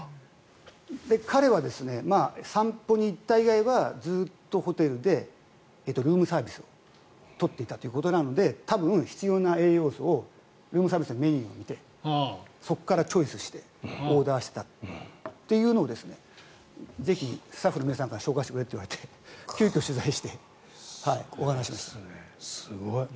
彼は散歩に行った以外はずっとホテルでルームサービスを取っていたということなので多分、必要な栄養素をルームサービスのメニューを見てそこからチョイスしてオーダーしてたっていうのをぜひスタッフの皆さんから紹介してくれと言われて急きょ取材してお話ししました。